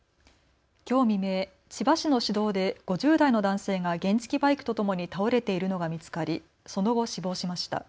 きょう未明、千葉市の市道で５０代の男性が原付きバイクとともに倒れているのが見つかりその後、死亡しました。